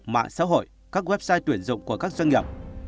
mạng xã hội các website tuyển dụng của các doanh nghiệp